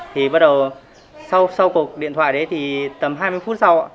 thì bắt đầu sau sau cuộc điện thoại đấy thì tầm hai mươi phút sau